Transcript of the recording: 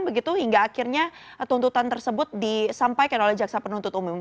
begitu hingga akhirnya tuntutan tersebut disampaikan oleh jaksa penuntut umum